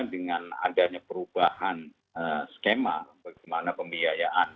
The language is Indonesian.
dengan adanya perubahan skema bagaimana pembiayaan